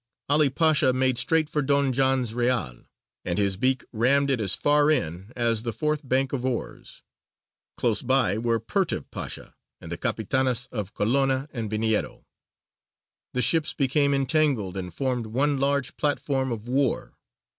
'Ali Pasha made straight for Don John's Reale, and his beak rammed it as far in as the fourth bank of oars. Close by were Pertev Pasha and the capitanas of Colonna and Veniero. The ships became entangled, and formed one large platform of war.